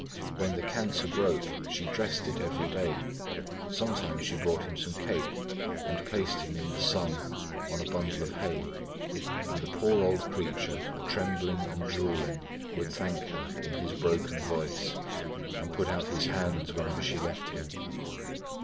When the cancer broke, she dressed it every day; sometimes she brought him some cake and placed him in the sun on a bundle of hay; and the poor old creature, trembling and drooling, would thank her in his broken voice, and put out his hands whenever she left him.